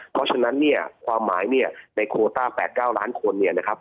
เพราะฉะนั้นเนี่ยความหมายเนี่ยในโคต้า๘๙ล้านคนเนี่ยนะครับ